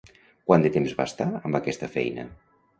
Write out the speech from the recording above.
Quant de temps va estar amb aquesta feina?